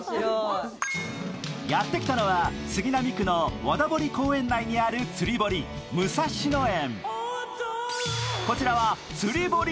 やって来たのは杉並区の和田堀公園内にある釣堀、武蔵野園。